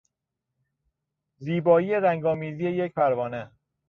زیبایی رنگ آمیزی یک پروانه